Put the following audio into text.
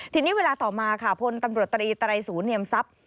ทีนี้เวลาต่อมาค่ะพลตำรวจตรีไตรศูนย์เนียมทรัพย์